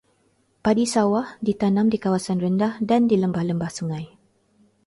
Padi sawah ditanam di kawasan rendah dan di lembah-lembah sungai.